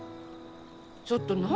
ちょっと何？